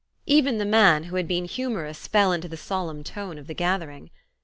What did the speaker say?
Even the man who had been humorous fell into the solemn tone of the gathering.